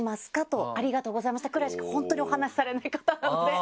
ぐらいしか本当にお話しされない方なので。